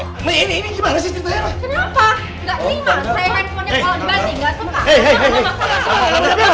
ini ini gimana sih ceritanya ma